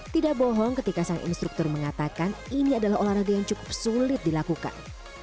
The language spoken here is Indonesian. tidak bohong ketika sang instruktur mengatakan ini adalah olahraga yang cukup sulit dilakukan